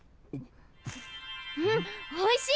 うんおいしい！